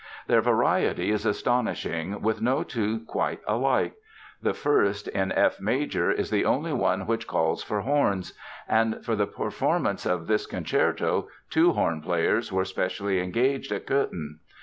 Their variety is astonishing, with no two quite alike. The first, in F major, is the only one which calls for horns; and for the performance of this concerto two horn players were specially engaged at Cöthen.